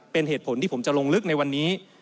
เป็นเหตุผลที่ผมจะลงลึกในวันนี้